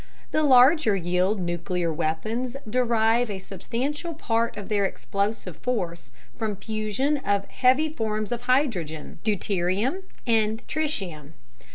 The larger yield nuclear weapons derive a substantial part of their explosive force from the fusion of heavy forms of hydrogen deuterium and tritium.